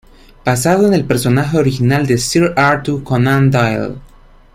Basado en el personaje original de Sir Arthur Conan Doyle.